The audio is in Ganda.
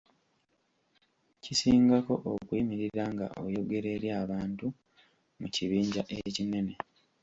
Kisingako okuyimirira nga oyogera eri abantu mu kibinja ekinene.